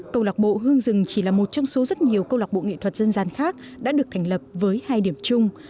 câu lạc bộ hương rừng chỉ là một trong số rất nhiều câu lạc bộ nghệ thuật dân gian khác đã được thành lập với hai điểm chung